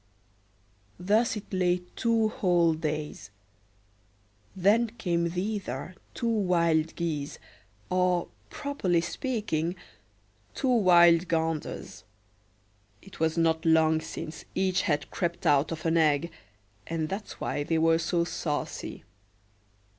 Thus it lay two whole days; then came thither two wild geese, or, properly speaking, two wild ganders. It was not long since each had crept out of an egg, and that's why they were so saucy.